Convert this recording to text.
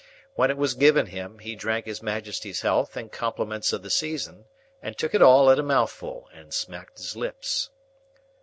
When it was given him, he drank his Majesty's health and compliments of the season, and took it all at a mouthful and smacked his lips.